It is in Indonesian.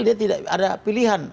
dia tidak ada pilihan